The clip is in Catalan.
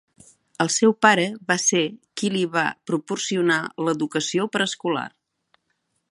El seu pare va ser qui li va proporcionar l'educació preescolar.